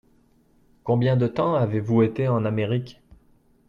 Combien de temps avez-vous été en Amérique ?